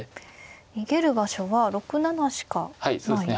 逃げる場所は６七しかないですね。